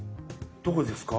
どこですか？